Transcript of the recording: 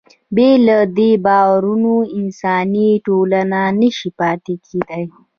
بې له دې باورونو انساني ټولنه نهشي پاتې کېدی.